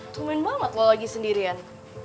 tumen banget lo lagi sendirian